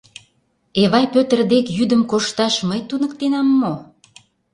— Эвай Пӧтыр дек йӱдым кошташ мый туныктенам мо?